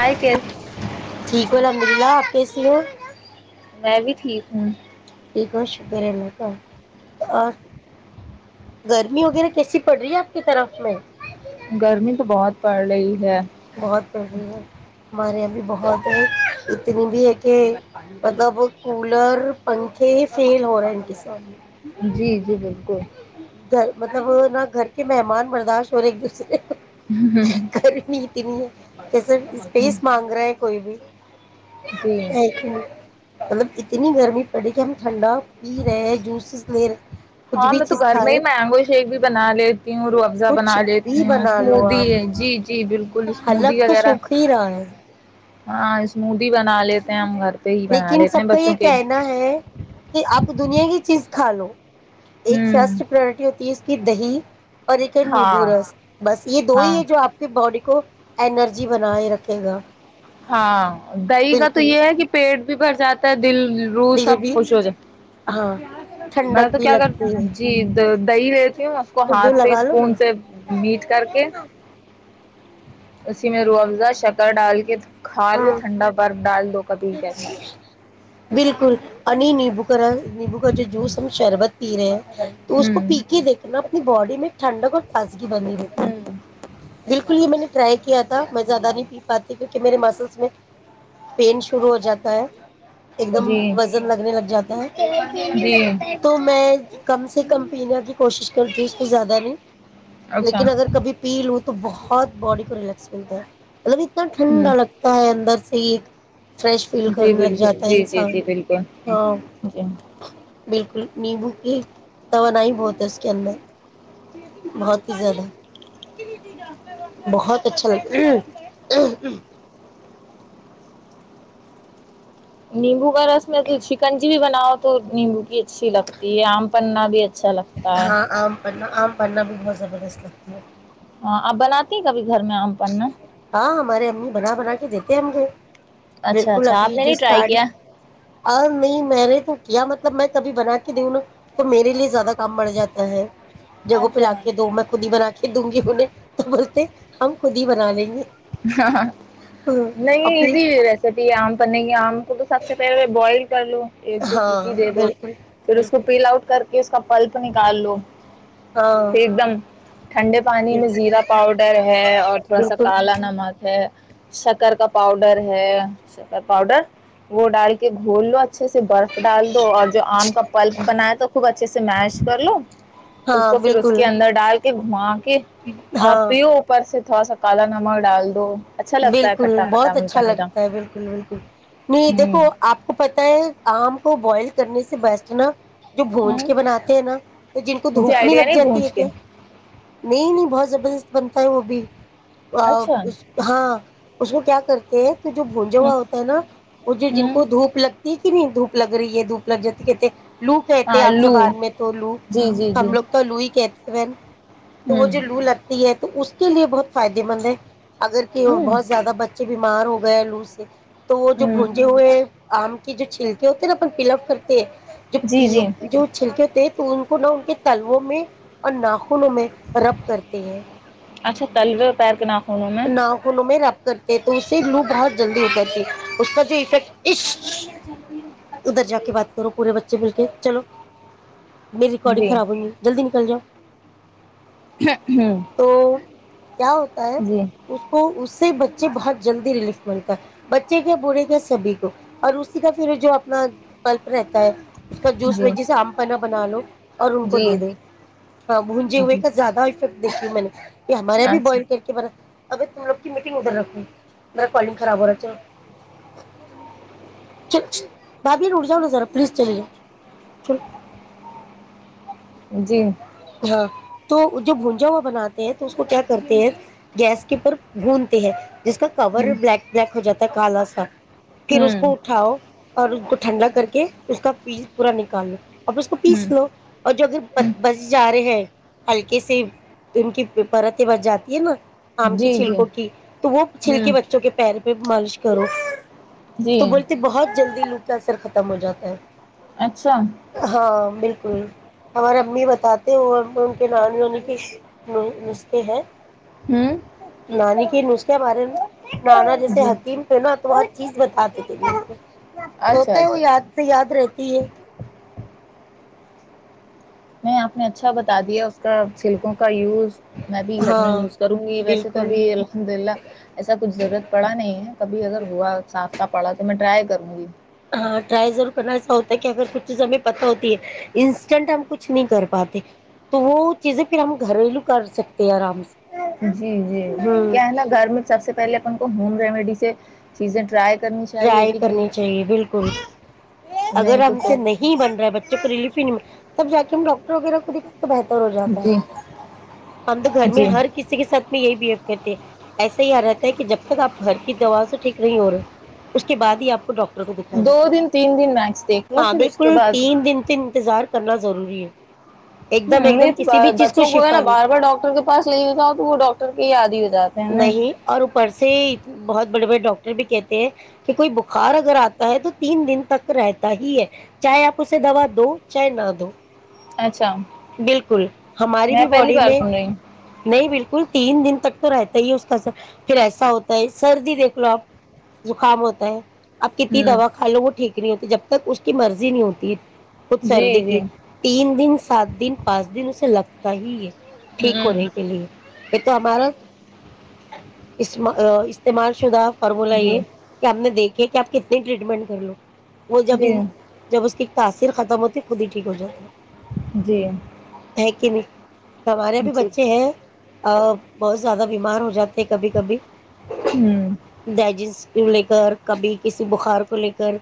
آ کےس ریہ پسیو [unintelligible] میں بھی ٹھیک ہوں ٹھیک ہے شکری اللہ کا اور گرمی وغیرہ کیسی پڑ رہی ہے آپ کی طرف میں گرمی تو بہت پڑ رہی ہے بہت پی ہے ہمارے یہاں بھی بہت ہے اتنی بھی ہے کہ مطلب کولر پنکھے فیل ہو رہے ان کے سان میں جی جی بالکل گھر مطلب نہا گھر کے مہمان برداشت ہو رہے ایک دوسرے کو ہ ہ [unintelligible] نہیں ہے جسر اسپیس مانگ رہا کوئی بھی جی ایکیک [unintelligible] مطلب اتنی گرمی پڑی کہ ہم ٹھنڈا پی رہے ہیں جوسز لے رہے کچھ ہاں بھی میں تو چیز گھر کھا میں ہی رہے مینگو شیک بھی بنا لیتی ہوں رو افزا کچھ بنا بھی لیتی ہوں اسموودی ہے جی جی بالکل حلب اسمودی تو وغیرہ سکھ ہی رہا ہے ہاں اسمو [unintelligible] لیکن سب ہیں کا یہ بچوں کے کہنا ہے کہ آپ دنیا کی چیز کھالو ایک ہوں فسٹ پرورٹی ہوتی دہی [inaudible] اور ایک ہے ہاں نیبورس بس یہ دو ہاں ہی ہے جو آپ کے باڈی ک [inaudible] اینرجی بنا ہی رکھے گا ہاں [inaudible] دہی کا تو بالکل یہ ہے کہ پیٹ بھی بھر جاتا ہے دل روح دل سب بھی خوش ہو جات ہاں [inaudible] میں تو بھی کیا کر لگتی ہے جی دہی دیتی ہوں اس کو تو دو ہاتھ سے لگا لو نا اسپون سے میٹ کر کے اسی میں روح افزا شکر ڈال کے کھ لو ہاں ٹنڈا برف ڈال دوو بالکل [inaudible] ا بو کرا نمبو کا جوس تم شربت پی رہے ہیں تو اس کو ہوں پی کے دیکھنا اپنی باڈی میں ھنڈ کر تازگی بنی رہتی ہے بالکل یہ میں نے ٹرائی کیا میں زیادہ نہیں پی پاتی کی کہ میرے مسلس میں پین شروع ہو جاتا ہے ایک دم جی وزن لگنے لگ جاتا جی ہے تو میں کم سے کم پینے کی کوشش کرتی ہوں اس کو زیادہ نہیں اچھا لیکن اگر کبھی پی لوں تو بہت باڈی کو ریلیکس ملتا ہے مطلب اتنا ہوں ٹھنڈا لگتا ہے اندر عید فریش فیل جی کرنا بالکل جاتا جی جی انسان جی بالکل ہاں جی بالکل نیمبو کی توانائی بہت ہے اس کے اندر بہت ہی زیادہ بہت اچھا لگتا نہیں وہ بس میں شکنجی بھی بناؤ تو نیمبو کی اچھی لگتی ہے آم پننا بھی اچھا لگتا ہے ہاں آم پنا آم پنا بھی بہت زبردست لگتا ہے ہاں آپ بناتی ہیں کبھی گھر میں آم پ ن ہاں ہمارے امی بنا بنا کے دیتے ہیں مھے اچھا بالکل اچھا آپ ابھی نے نہیں جسٹ ٹرائی کیا اور نہیں میں نے تو کیا مطلب میں کبھی بنا کے دوں نا تو میرے لیے زیادہ کام بڑ جاتا ہے جگہ پہ ل اچھا کے دو میں خود ہی بنا کے دوں گی انہیں تو بولتے ہم خود ہی بنا لیں گے ہاں اور نہیں پھر ایزی ریسیپی آم پنے کی آم کو سب سے پلے میں بوائل کر لوں ایک دو سیٹ ہاں دے دو بالکل پھر اس کو بالکل پل آؤٹ کر کہ اس کا پلپ نکال لو ہاں پھر ایک دم ٹھنڈے پانی میں بالکل زیرا پاؤڈر ہے اور تھوڑا سا بالکل کالا نمک ہے شکر کا پاؤڈر ہے پاؤڈر وہ ڈال کے گھول لو اچا اچھے سے برف ڈال دو اور جو آم کا پلف بناائے تو خوب اچھے سے س مش کر لو اس ہاں کو پھر اس بالکل کے اندر ڈال بمان آپ ہاں پیوپر سے او سکالا نام ڈال دو اچھا لگتا ہے بالکل کھٹا کھٹا بہت میٹھا اچھا میٹھا لگتا ہے بالکل بالکل نہیں دیکھو ہوں آپ کو پت ہے آم کو بوائل کرنے سے بیسٹ نا جو بونج ہوں کے بناتے ہیں نا تو جن کو مجھے دھوپ نہیں آئیڈیا لگ جاتی ہے پہنچ کے کیا نہیں نہیں بہت زبردست بنتا ہے وہ بھی ا اچھا ہوں اس اس کو کیا کرتے جو بھونج ہوا ہوتا ہے نا وہ جو جن ہوں کو دھوپ لگتی ہے کتنی دھوپ لگ رہی ہے دھوپ گ ج کہتے لو کہتے عام آلو زبان میں تو لو جی جی جی ہم لوگ تو لو ہی کہتے ایین تو وہ ہوں جو لو لگتی ہے تو اس کے لیے بہت فائدے مند ہے اگر کہ ہوں بہت زیادہ بچ بیمار ہو گیا لو سے تو وہ جو ہوں بونجے ہوئے ہیں آم کی جو چھلکے ہوتے ہیں نا اپن پل اپ کرتے جو جی جی جو چھلک تو ان کو نہ ان کے تلووں میں اور ناخنوں میں رب کرتے ہیں اچھا تلر پیر کےنا نہ ہولو میں ر کرتے تو اس سے لو بہت جلدی ہو جاتی ہے اس کا جو افیکٹ ادھر جا کے بات کرو پورے بچے بول کے چلو می ریکارڈن خاب ہو گی جلدی کل جاؤ ہ ہوں تو کیا ہوتا ہے جی اس کو اس سے بچے بہت جلدی ریلیف ملتا ہے بچے کے بوڑھے کے سبھی کو اور اسی کا پھر جو اپنا کلپ رہتا ہے اس کا جوس میں جی جسے آم پن بنا لو اور ان کو جی دے دیں ہاں بونجے ہوئے جی کا زیادہ سب دیکھیی م نے یہ ہمارے یہ بھی اچھا بوائل کر کے برس ابھی تم لوگ کی میٹنگ ادھر رکھو میرا کالنگ خراب ہو رہا ہے چلو چ بھابھی اھ جاؤ نا ذرا پلیز چلی چلو جی ہاں تو جو بھونجا ہوا بناتے ہیں تو اس کو کیا کرتے ہیں گیس کے پر بھونتے ہیں جس کا کور ہوں بلیک بلیک ہو جا ہے کال سات پھر اس ہوں کو اٹھاؤ اور ٹھنڈا کر کے اس کا پیس پورا نکال لو اور اس کو ہوں پیس لو اور جو اگر ہوں بسی جا رہے ہے ہلکے سے ان کی پرتیں بچ جاتی ہے نا آم کی جی جی چھلکوں کی تو وہ چھلکے ہوں بچوں کے پیر پہ مالش کرو جی تو بولتے بہت جلدی لو کا اثر ختم ختم ہو جاتا ہے اچھا ہاں بالکل بال ہمارے امی بتاتے ہو اور ان کے ب ہونی کہ ن کہ ہے ہوں نانی کے نسخے بارے میں نانا جیسے جی حکیم تھے نا تو ہر چیز بتاتے تھے نسے اچھا اچھا توتا ہے وہ اچھا یاد سے یاد رہتی ہے میں آپ میں اچھا بتا دیا اس کا سلکوں کا یوز میں بھی گھر میں ہاں یوز کروں گی ویسے تو بالکل ابھی الحمد للہ ایسا کچھ ضرورت پڑا نہیں ہے کبھی اگر ہوا سانف کا پڑا تو میں ٹرائی کروں گی ہاں ٹرائی ضرور کرنا ایسا ہوتا ہے کہ ا پ کچھ چیز ہمیں پت ہوتی ہے انسٹنٹ ہم کچھ نہیں کر پاتے تو وہ چیزیں پھر ہم گھریلو کر سکتے ہیں آرام سے جی جی ہوں کیا ہے نا گھر میں سب سے پہلے اپن کو ہوم ریمیڈی سے چیزیں ٹرائی کر ٹرائی کرنی چاہیے بالکل اگر نہیں تو ہم سے پھر نہیں بن رہا ہے بچوں کو ریلیف ہی نہیں تب ج کےے ہم ڈاکٹر وغیرہ کو دکھا تو بہتر ہو جاتا ہے جی ہم تو گھر میں جی ہر کسی کے ساتھ میں یہی بہیو کرتے ہیں ایسا ہی آ رہتا ہے کہ جب تک آپ گھر کی دوا سے ٹھیک نہیں ہو رہے اس کے بعد ہی آپ کو ڈاکٹر ر کو دکھایا دو جاتا ہے دن تین دن میکس دیکھ لو ہاں پھر اس کے بالکل بعد تین دن سے انتظار کرنا ضروری ہے ایک دم ہ ایک دم کسی بھی نہیں چیز بچوں کو ہے شفا نا نہیں بار بار ڈاکٹر کے پاس لے لیتا ہ تو وہ ڈاکٹر کے یاد ہی ہو جاتے ہیں نا نہیں اور اوپر سے بہت بڑے بڑے ڈاکٹر بھی کہتے ہیں کہ کوئی بخار اگر آتا ہے تو تین دن تک رہتا ہی ہے چاہے آپ اسے دوا دو چاہے نہ دو اچھا بالکل ہماری میں بھی پہلی باڈی بار میں سن رہی ہوں نہیں بالکل تین دن تک تو رہتا ہی اس کا س پھر ایسا ہوتا ہے سردی دیکھ لو آپ زکام ہوتا ہے آپ کتنی ہوں دواھا لو وہ ٹیک نہیں ہوتی جب تک اس کی مرضی نہیں ہوتی خھ سردی جی جی کی تین دن سات دن پانچ دن اسے لگتا تاہی ٹھیک ہوں ہونےے کے لیے یہ تو ہمارا استعمال شدہ اور جی بولاائیے کہ آپ نے دیکھ کہ آپ کتنی ٹریٹمنٹ کر لو وہ جب جی جب اس کی تاثر ختم ہوتی ہے خود ہی ٹھیک ہو جاتی جی ہے ہے کہ نہیں ہمارے بھی جی بچے ہیں بہت زیادہ بیمار ہو جاتا کبھی کبھی ہوں دجینس لے کر کبھی کسی بخار کو لے کر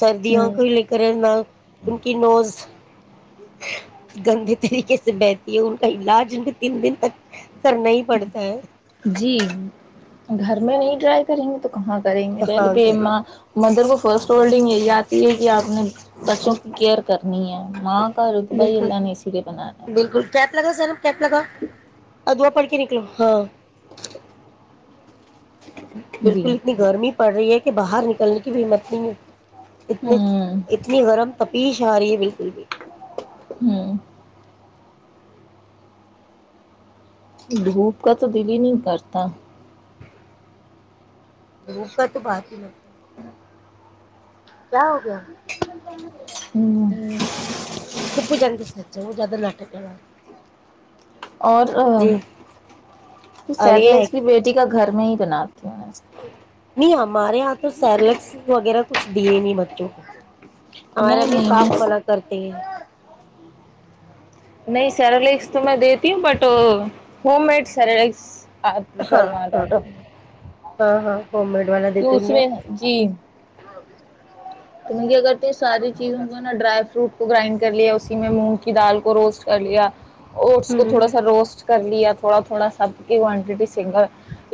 سردیوں ہوں کو لے کر نہ ان کی نوز گندے طریقے سے بیہھ یہ ان کا علاج ان کے تین دن تک کرنا ہی پڑتا ہے جی گھر میں نہیں رائی کریں گے تو ہاں کریںے پہلے ہاں پ مندر کو فسٹ ہولڈنگ ایریا یہ ہے کہ آپ نے بسوں کی کیئر کرنی ہے ماں کرھر ا تو بھائی بالکل الہ نے اسیرے بناناا کیا ل گا ادوا پک نکلو ہاں ہے جی بالکل اتنی گرمی پڑ رہی ہے کہ کے باہر نکلنے کی بھی مت نہیں ہے اتنی ہوں اتنی گرم پیش آ رہی ہے بالکل بھی ہوں دھوپ کا تو دل ہی نہیں کرتا دوپ تو باقی لتی کیا ہو گیا ہ ہ خپو جان کے سر وہ زیادہ نٹک کر اور سلس کی بیٹی کا گھر میں ہی بنااتا نم بارے آ تو سیرلیکس وغیرہ کچھ ڈ امی بتوں کو ہمارا ا نہیں بھی نہیں صاف میں منع کرتے ہیں نہیں سرلگس تو میں دیتی ہوں بٹ ہوم میڈ سرلس ہاں ہاں ہاں ہاں والا کی دیتے اس ہوں گے میں آپ جی تو مے اگر تو یہ ساری چیزوں کو نا ڈرائی فروٹ کو گرائنڈ کر لیا اسی میں مونگ کی دال کو روسٹ کر لیا اوٹس کو تھوڑا ہمم سا روسٹ کر لیا تھوڑا تھوڑا سب کی کوانٹیٹی سگل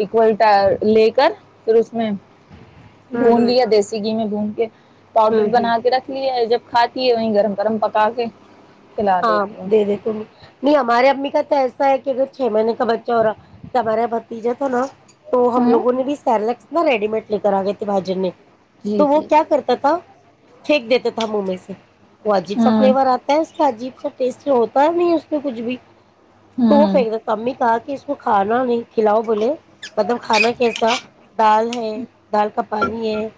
اول لے کر پھر اس می [unintelligible] ہمم بھون ہمم لیا دیسی گھی میں بھون کے پاؤڈر ہمم ہمم بنا کے رکھ لیا جب کھاتی ہے وہیں گرم گرم پکا کے کھلا ہاں دیتی ہوں دے دی ت نہیں ہمارے امی کا تو کہ اگر چھ مہینے کا بچہ ہو رہا س ہمارا ب جا تھا نا تو ہم ہاں لوگوں نے بھی سس نہ ریڈی مٹ لی کرا گے تے بای نے جی تو وہ جی کیا جی کرتا تھا پھینک دیتا تھا مہ میں سے واجیب چ ہاں فلیور آتا ہے ب جیب سب ٹیسٹی ہوتا ہے نہیں اس میں کچھ بھی تو ہاں فھیک د تاممی کہا کہ اس ہ نہ نہیں کھلاؤ بولے مطلب کھانا کیسا دال ہے دال کا پانی ہے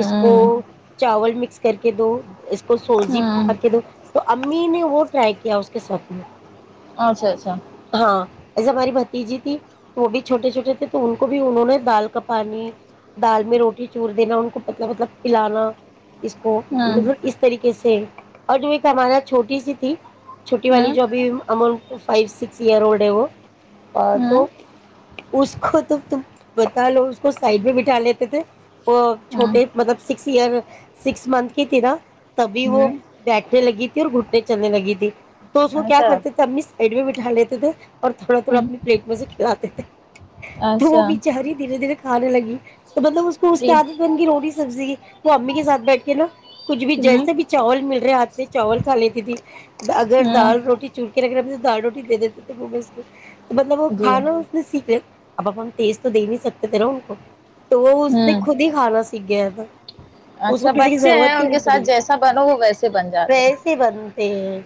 اس کو چاول مکس کر کے دو اس کو سوزی ہوں کے دو تو امی نے وہ ٹرائی کیا اس کے ساتھ میں اچھا اچھا ہاں ایسے ہماری بھتیجی تھی وہ بھی چھوٹے چھوٹے تھے تو ان کو بھی انہوں نے دال ک پانی دال میں روٹی چور دینا ان کو مطب مطلب پلانا اس کو ہوں مطلب اس طریقے سے اور جو ایک ہمارا چھوٹی سی تھی چھٹی والی ہوں جو بھی ہممن فائیو سکس [unintelligible] سئروڈ وہ آ ہوں تو ہوں [unintelligible] اس کو تو تم بتا لو اس کو سائڈ میں بٹھا لیتے تھے وہ چھوٹے مطلب سکس ایئر سکس منتھ کی تیرا تبھی وہ ہوں بیٹھنے لگی اور گھٹنے چلنے لگی تھی تو اس کو کیا اچھا کرتے تھے اپنیڈو جلے تو دیک تھوڑا تھوڑا ہوں اپنی پلیٹ میں سے کھلاتے تھے تو وہ اچھا بچاری دھیرے دھیرے کھارے لگی تو مطلب اس کو اس کی جی عادت بن گی روٹی سبزی وہ امی کے سھ بیٹھ کے نا کچھ بھی ہوں جیسے بھی چاول مل رہے ہاتھ میں چاول کھا لیتی تھی اگر ہوں دال روٹی چور کے رکھ دال روٹی د دی تو وہ گس مطلب وہ جی کھانا اس نے سیکھ ل اب اب ہم تیز تو دے نہیں سکتے ت نا ان کو تو وہ اس نے ہوں خود ہی کھانا س گیا ب اچھا بچے ہیں ان کے ساتھ جیسا بنو وہ ویسے بن جاتے ہیں ویسے بنتے ہیں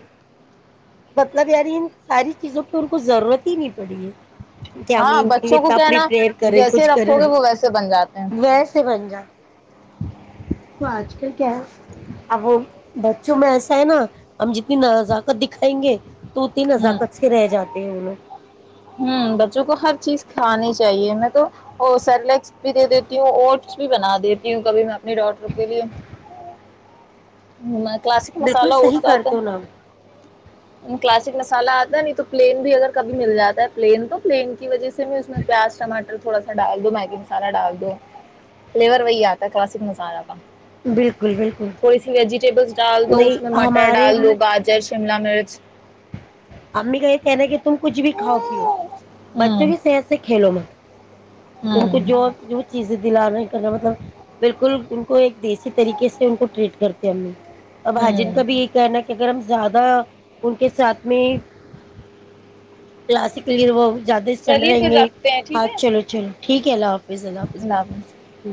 مطلب یاری ساری چیزوں پ ان کو ضرورت ہی نہیں پڑی ہے کہ ہم ہاں ان کے لیے بچوں ت کو اپ کیا ہے نا پریئر کریں جیسے کچھ کریں رکھو گے وہ ویسے بن جاتے ہیں ویسے بن جا تو آج کل کیا ہے اب وہ بچوں میں ایسا ہے نا ہم جتنی نزاکت دکھائیں گے تو اتنی ہوں نزاکت سب سے رہ جاتے ہیں ان لوگ ہ بچوں کو ہر چیز کھانی چاہیے میں تو سرلیکس بھی دے دیتی ہوں اوٹس بھی بنا دیتی ہوں کبھی میں اپنے ڈٹر کے لیے کلاسک بالکل مسال صحیح اٹتا کرتے ہو نا کلاسک مسالہ آتا ہے نہیں تو پلین بھی اگر کبھی مل جاتا ہے پلین تو پلین کی وجہ سے س میں اس میں پیاز ٹماٹر تھوڑاال دو میگی میں مسہ ڈال دو فلیور وہی آتا کلاسک مسالہ کا بالکل بالکل تھوڑی سی ویجیٹیبلس ڈال دو نہیں اس میں مٹر ہمارے ڈال امی دو گاجر شملہ مرچ امی کہ کیا ن کہ تم کچھ بھی کاؤ بچوں ہوں کی صحت سے کھیلو مت ان کو ہوں جو جو چیزیں دل نہیں کرنا مطلب بالکل ان کو ایک دیسی طریقے سے ان کو ٹریٹ کرتے امی اور بھاجین ہوں کا بھی یہی کہنا ہے کہ گگرم زیادہ ان کے ساتھ میں کلاسیکل ہیرو زیادہ اسٹنڈ چلیے رہیں پھر گے رکھتے ہیں ٹھیک ہاں ہے چلو چلو ٹھیک ہے اللہ حافظ اللہ حافظ